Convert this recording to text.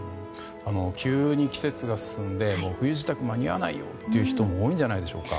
急に季節が進んで冬支度が間に合わない人も多いんじゃないんでしょうか。